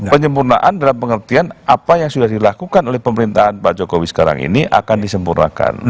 penyempurnaan dalam pengertian apa yang sudah dilakukan oleh pemerintahan pak jokowi sekarang ini akan disempurnakan